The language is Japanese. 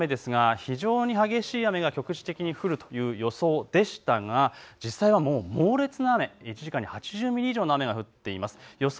いちばん上、今夜の雨ですが、非常に激しい雨が教師局地的に降るという予想でしたが、実際は猛烈な雨１時間に８０ミリ以上の雨が降っています。